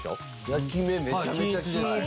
焼き目めちゃめちゃ均一。